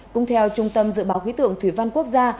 cũng theo trung tâm dự báo khí tượng thủy văn quốc gia